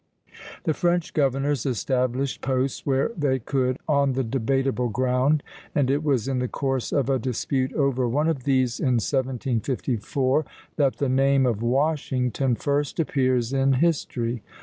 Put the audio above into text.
The French governors established posts where they could on the debatable ground, and it was in the course of a dispute over one of these, in 1754, that the name of Washington first appears in history.